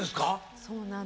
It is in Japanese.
そうなんです。